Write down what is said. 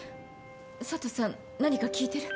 佐都さん何か聞いてる？